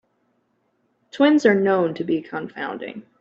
Twins are known to be confounding.